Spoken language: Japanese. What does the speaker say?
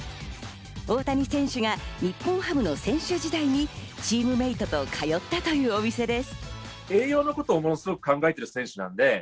大谷選手が日本ハムの選手時代にチームメートと通ったというお店です。